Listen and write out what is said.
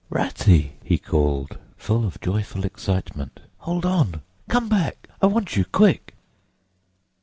"Ratty!" he called, full of joyful excitement, "hold on! Come back! I want you, quick!"